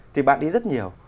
thì bạn đi rất nhiều